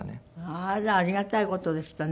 あらありがたい事でしたね